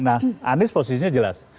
nah anies posisinya jelas